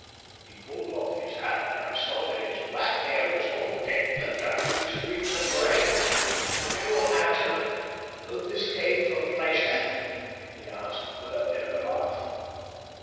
He pulled off his hat, and I saw that his black hair was all decked and dashed with streaks of grey. "Do you imagine that this came from pleasure?" he asked, with a bitter laugh.